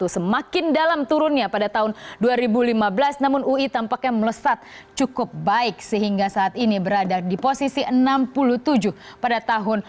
semakin dalam turunnya pada tahun dua ribu lima belas namun ui tampaknya melesat cukup baik sehingga saat ini berada di posisi enam puluh tujuh pada tahun dua ribu enam belas